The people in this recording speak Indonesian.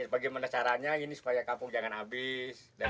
bagaimana caranya ini supaya kampung jangan habis